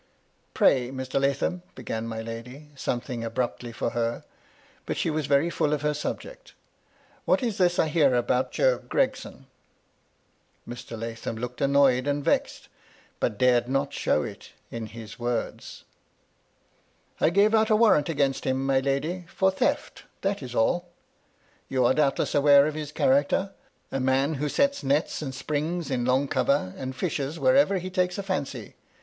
56 MY LADY LUDLOW. "Pray, Mr. Lathom," began my lady, something abruptly for her, — but she was very fiiU of her subject, —" what is this I hear about Job Gregson ?" Mr. Lathom looked annoyed and vexed, but dared not show it in his words "I gave out a warrant against him, my lady, for theft, that is alL You are doubtless aware of his character ; a man who sets nets and springes in long cover, and fishes wherever he takes a fancy.